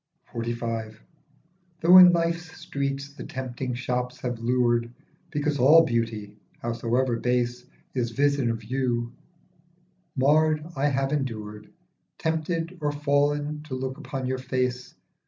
49 XLV. THOUGH in life's streets the tempting shops have lured Because all beauty, howsoever base, Is vision of you, marred, I have endured, Tempted or fall'n, to look upon your face.